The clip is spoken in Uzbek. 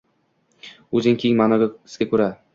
o‘zining keng ma’nosiga ko‘ra –